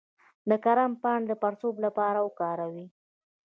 د کرم پاڼې د پړسوب لپاره وکاروئ